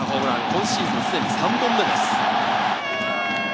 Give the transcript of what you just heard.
今シーズン３本目です。